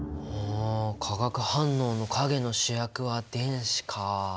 あ化学反応の陰の主役は電子か。